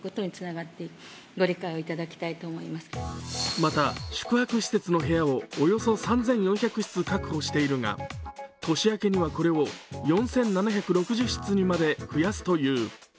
また、宿泊施設の部屋をおよそ３４００室確保しているが、年明けにはこれを４７６０室にまで増やすという。